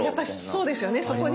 やっぱりそうですよねそこに。